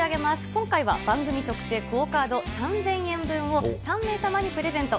今回は番組特製ＱＵＯカード３０００円分を、３名様にプレゼント。